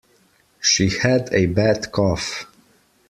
She had a bad cough.